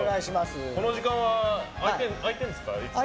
この時間は空いてるんですかいつも。